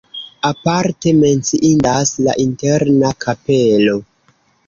Aparte menciindas la interna kapelo.